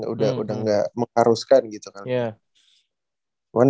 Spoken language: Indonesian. udah nggak mengharuskan gitu kan